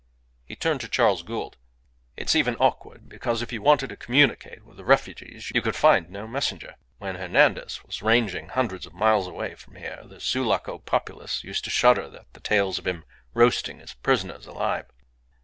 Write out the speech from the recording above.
He turned to Charles Gould. "It's even awkward, because if you wanted to communicate with the refugees you could find no messenger. When Hernandez was ranging hundreds of miles away from here the Sulaco populace used to shudder at the tales of him roasting his prisoners alive."